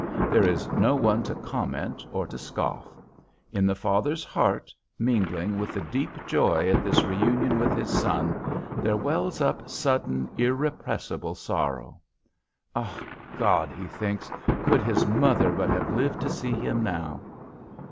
There is no one to comment or to scoff. In the father's heart, mingling with the deep joy at this reunion with his son, there wells up sudden, irrepressible sorrow. "Ah, God!" he thinks. "Could his mother but have lived to see him now!"